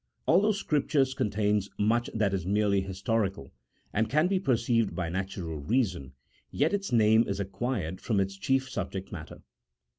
Although Scripture contains much that is merely histo rical and can be perceived by natural reason, yet its name is acquired from its chief subject matter.